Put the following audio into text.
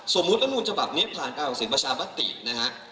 สมมุติอนุญาชบับนี้ผ่านการของเสียงประชามตินะฮะ